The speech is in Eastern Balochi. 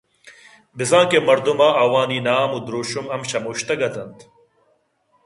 بزاں کہ مردماں آوانی نام ءُدرٛوشم ہم شمشتگ اِت اَنت